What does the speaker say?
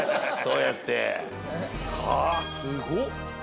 ああすごっ。